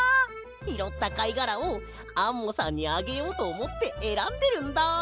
ひろったかいがらをアンモさんにあげようとおもってえらんでるんだ！